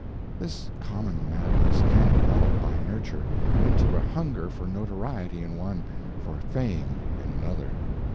This common madness can develop, by nurture, into a hunger for notoriety in one, for fame in another.